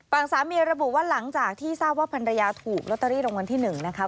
สามีระบุว่าหลังจากที่ทราบว่าภรรยาถูกลอตเตอรี่รางวัลที่๑นะคะ